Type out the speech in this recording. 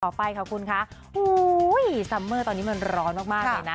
ไปค่ะคุณคะซัมเมอร์ตอนนี้มันร้อนมากเลยนะ